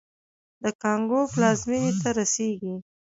د کانګو پلازمېنې ته رسېږي.